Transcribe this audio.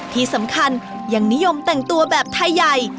ที่สำคัญยังนิยมแต่งตัวแบบไทยใหญ่